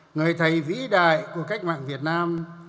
người thầy vĩ đại của cách mạng việt nam